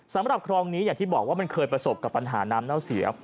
สำหรับคลองนี้อย่างที่บอกว่ามันเคยประสบกับปัญหาน้ำเน่าเสีย